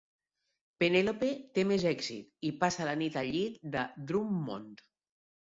Penelope té més èxit i passa la nit al llit de Drummond.